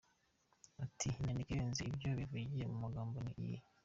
Ati “Inyandiko irenze ibyo yivugiye mu magambo ni iyihe ?’’